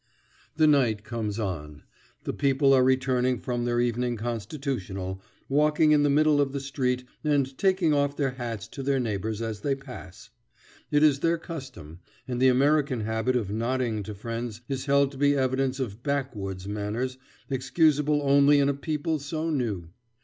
The night comes on. The people are returning from their evening constitutional, walking in the middle of the street and taking off their hats to their neighbors as they pass. It is their custom, and the American habit of nodding to friends is held to be evidence of backwoods' manners excusable only in a people so new.